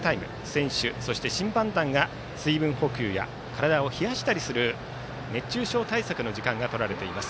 選手、審判団が水分補給や体を冷やしたりする熱中症対策の時間がとられています。